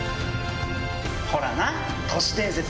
ほらな！